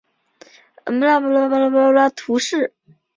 圣雷米拉瓦朗人口变化图示